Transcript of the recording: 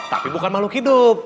tapi bukan makhluk hidup